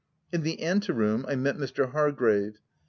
In the ante room I met Mr. Hargrave.